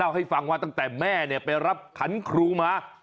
ให้ฟังว่าตั้งแต่แม่ไปรับขันครูมา